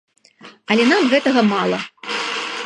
Але нам гэтага мала.